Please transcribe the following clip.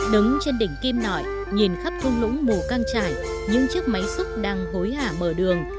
đứng trên đỉnh kim nõi nhìn khắp thun lũng mùa căng trải những chiếc máy xúc đang hối hả mở đường